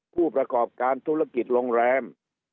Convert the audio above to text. ผู้ประกอบการธุรกิจโรงแรม